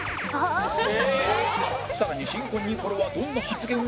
更に新婚ニコルはどんな発言を？